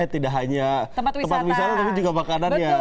tidak hanya tempat wisata tapi juga makanannya